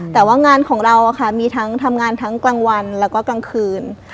แต่ว่างานของเรามีทั้งทำงานทั้งกลางวันแล้วก็กลางคืน